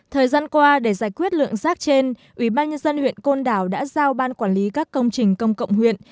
thời gian qua để giải quyết lượng rác trên ubnd huyện côn đảo đã giao ban quản lý các công trình công cộng huyện